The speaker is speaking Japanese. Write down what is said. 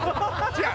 違う！